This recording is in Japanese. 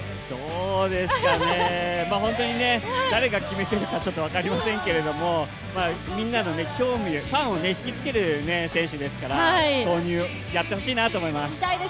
本当に誰が決めているか分かりませんけどみんなの興味ファンを引きつける選手ですから、投入をやってほしいなと思います。